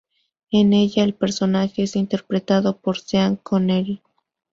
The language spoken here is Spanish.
En ella, el personaje es interpretado por Sean Connery.